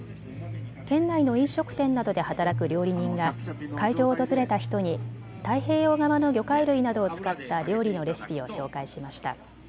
県内の飲食店などで働く料理人が会場を訪れた人に太平洋側の魚介類などを使った料理のレシピを紹介しました。